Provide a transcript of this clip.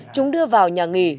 chúng đưa vào nhà nghỉ